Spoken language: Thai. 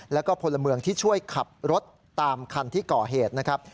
แล้วก็พลเมืองที่ช่วยขับรถตามคันที่ก่อเหตุนะครับ